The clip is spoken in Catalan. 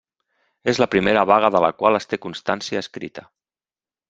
És la primera vaga de la qual es té constància escrita.